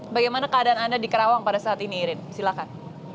bagaimana keadaan anda di kerawang pada saat ini irin silahkan